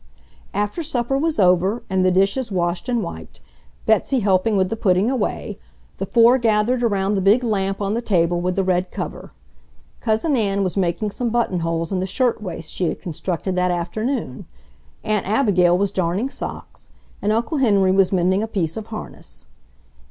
After supper was over and the dishes washed and wiped, Betsy helping with the putting away, the four gathered around the big lamp on the table with the red cover. Cousin Ann was making some buttonholes in the shirt waist she had constructed that afternoon, Aunt Abigail was darning socks, and Uncle Henry was mending a piece of harness.